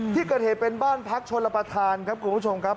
ที่เกิดเหตุเป็นบ้านพักชนรับประทานครับคุณผู้ชมครับ